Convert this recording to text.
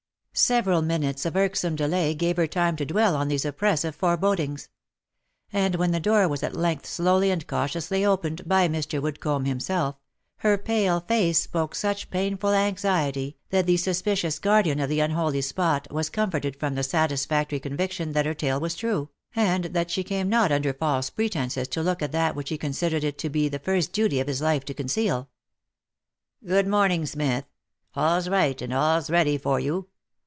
Several minutes of irksome delay gave her time to dwell on these oppressive forebodings ; and when the door was at length slowly and cautiously opened by Mr. Woodcomb himself, her pale face spoke such painful anxiety, that the suspicious guardian of the unholy spot was comforted from the satisfactory conviction that her tale was true, and that she came not under any false pretences to look at that w r hich he considered it to be the first duty of his life to conceal. OF MICHAEL ARMSTRONG. 255 " Good morning;, Smith — all's right, and all's ready for you.